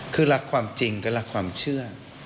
คือรักความจริงก็รักความเชื่อ